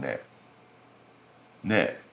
ねえ。